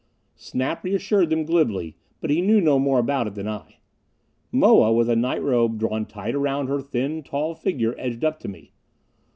Snap reassured them glibly; but he knew no more about it than I. Moa, with a night robe drawn tight around her thin, tall figure, edged up to me.